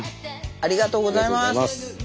ありがとうございます。